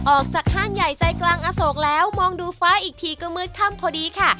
ออกจากห้างใหญ่ใจกลางอโศกแล้วมองดูฟ้าอีกทีก็มืดค่ำพอดีค่ะ